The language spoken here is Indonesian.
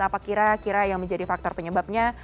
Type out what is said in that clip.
apa kira kira yang menjadi faktor penyebabnya